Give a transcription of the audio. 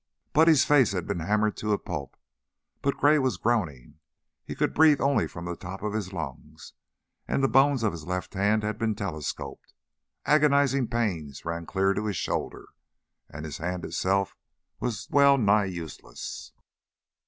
Buddy's face had been hammered to a pulp, but Gray was groaning; he could breathe only from the top of his lungs, and the bones of his left hand had been telescoped. Agonizing pains ran clear to his shoulder, and the hand itself was well nigh useless.